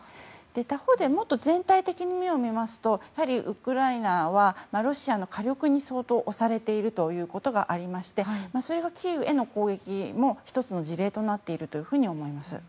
他方でもっと全体的に目を向けますとウクライナはロシアの火力に相当、押されているということがありましてそれがキーウへの攻撃も１つの事例となっていると思います。